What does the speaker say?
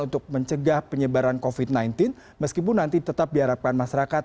untuk mencegah penyebaran covid sembilan belas meskipun nanti tetap diharapkan masyarakat